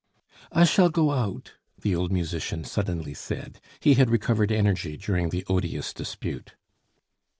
'" "I shall go out!" the old musician suddenly said. He had recovered energy during the odious dispute.